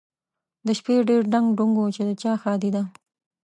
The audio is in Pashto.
د شپې ډېر ډنګ ډونګ و چې د چا ښادي ده؟